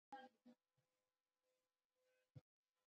دوی په دې ډول خپل تولید ترسره کاوه